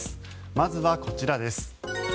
まずはこちらです。